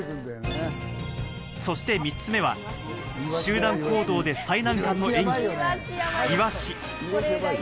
そして３つ目は、集団行動で最難関の演技、イワシ。